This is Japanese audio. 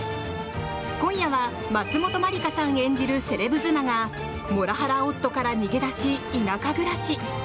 今夜は松本まりかさん演じるセレブ妻がモラハラ夫から逃げ出し田舎暮らし。